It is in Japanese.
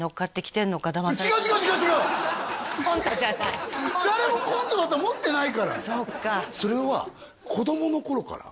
みんな誰もコントだと思ってないからそっかそれは子供の頃から？